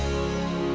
ibu ada tulisan